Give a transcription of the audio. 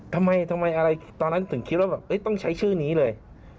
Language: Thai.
ทำไมอะไรตอนนั้นถึงคิดว่าแบบต้องใช้ชื่อนี้เลย